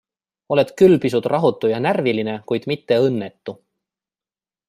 Oled küll pisut rahutu ja närviline, kuid mitte õnnetu.